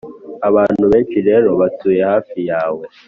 abantu benshi rero batuye hafi yawe,